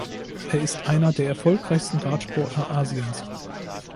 Er ist einer der erfolgreichsten Radsportler Asiens.